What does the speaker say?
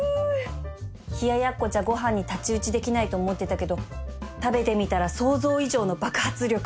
冷ややっこじゃご飯に太刀打ちできないと思ってたけど食べてみたら想像以上の爆発力